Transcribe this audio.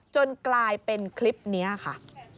จนกลายเป็นคลิปนี้ค่ะ